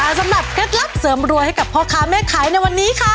สำหรับเคล็ดลับเสริมรวยให้กับพ่อค้าแม่ขายในวันนี้ค่ะ